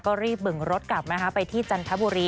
ก็รีบเบิ่งรถกลับไปที่จันทบุรี